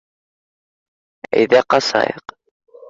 — Әйҙә ҡасайыҡ.